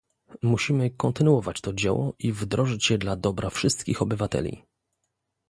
Musimy kontynuować to dzieło i wdrożyć je dla dobra wszystkich obywateli